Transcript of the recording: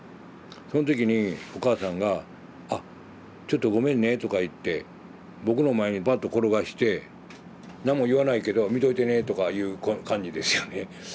その時にお母さんが「あちょっとごめんね」とか言って僕の前にばっと転がしてなんも言わないけど見といてねとかいう感じですよね。